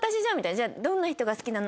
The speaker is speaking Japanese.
「じゃあどんな人が好きなの？」